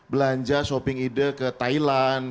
belanja shopping ide ke thailand